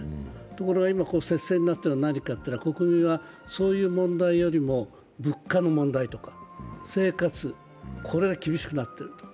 ところが、今、接戦になっているのは何かといったら国民はそういう問題よりも物価の問題とか、生活、これが厳しくなっている。